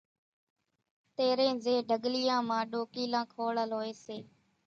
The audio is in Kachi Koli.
تيرين زين ڍڳليان مان ڏوڪيلان کوڙل ھوئي سي